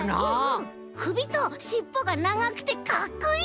くびとしっぽがながくてかっこいい！